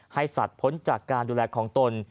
สัตว์พ้นจากการดูแลของตน